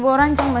bawa rancang ma